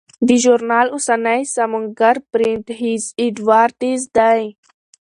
د ژورنال اوسنی سمونګر برینټ هیز اډوارډز دی.